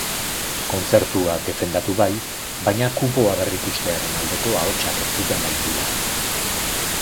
Kontzertua defendatu bai, baina kupoa berrikustearen aldeko ahotsak entzun baitira.